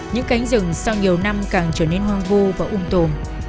những cánh rừng sau nhiều năm càng trở nên hoang vô và ung tồn